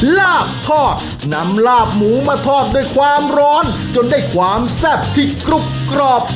ลาบทอดนำลาบหมูมาทอดด้วยความร้อนจนได้ความแซ่บที่กรุบกรอบ